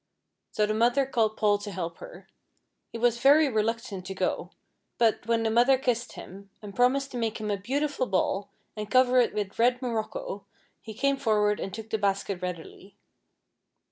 So the mother called Paul to help her. He was very reluctant to go; but, when the mother kissed him, and promised to make him a beautiful ball, and cover it with red morocco, he came forward and took the basket readily.